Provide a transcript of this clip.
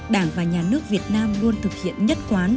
đảng và nhà nước việt nam luôn thực hiện nhất quán